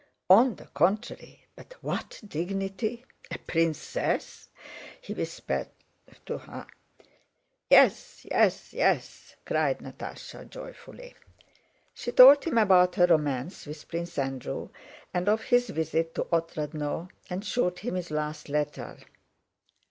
"On the contrary, but what dignity? A princess!" he whispered to her. "Yes, yes, yes!" cried Natásha, joyfully. She told him about her romance with Prince Andrew and of his visit to Otrádnoe and showed him his last letter.